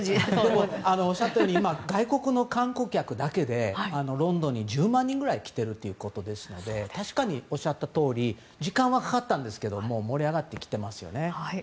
でも、おっしゃったように外国の観光客だけでロンドンに１０万人ぐらい来てるということですので確かにおっしゃったとおり時間はかかったんですけど盛り上がってきていますよね。